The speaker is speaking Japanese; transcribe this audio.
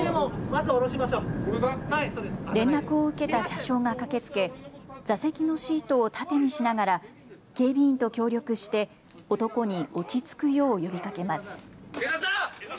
連絡を受けた車掌が駆けつけ座席のシートを盾にしながら警備員と協力して男に落ち着くよう呼びかけます。